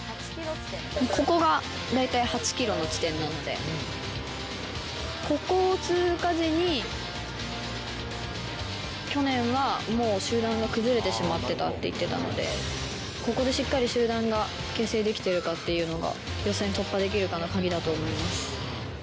ここが大体８キロの地点なので、ここを通過時に、去年はもう集団が崩れてしまってたって言ってたので、ここでしっかり集団が形成できてるかっていうのが、予選突破できるかの鍵だと思います。